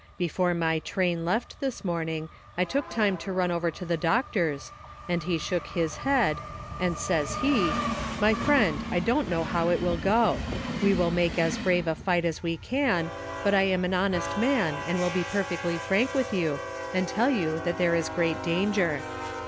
Before my train left this morning I took time to run over to the doctor's, and he shook his head, and says he, 'My friend, T don't know how it will go ; we w411 make as brave a fight as we can, but I am an honest man and will be perfectly frank with you, and tell you that there is great danger.'